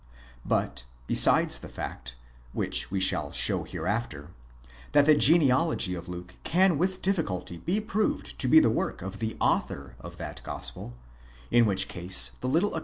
But, besides the fact, which we shall show hereafter, that the genealogy of Luke can with difficulty be proved to be the work of the author of that Gospel :—in which case the little acquaintance of Luke with 3 Orig.